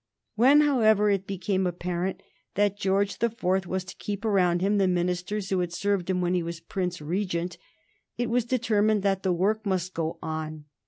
When, however, it became apparent that George the Fourth was to keep around him the ministers who had served him when he was Prince Regent, it was determined that the work must go on.